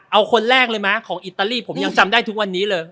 เอาคนแรกเลยมั้ของอิตาลีผมยังจำได้ทุกวันนี้เลย